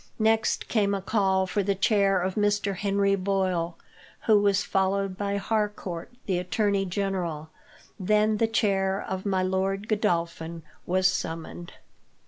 Next came a call for the chair of Mr. Henry Boyle, who was followed by Harcourt, the attorney general, then the chair of My Lord Godolphin was summoned.